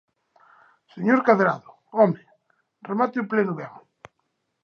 Señor Cadrado, ¡home!, remate o Pleno ben.